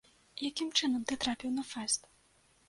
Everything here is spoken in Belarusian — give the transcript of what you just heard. Якім чынам ты трапіў на фэст?